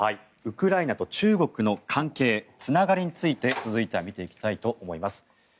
ウクライナと中国の関係つながりについて続いては見ていきたいと思います。